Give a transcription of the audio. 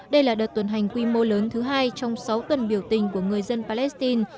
đây là đợt tuần hành quy mô lớn thứ hai trong sáu tuần biểu tình của người dân palestine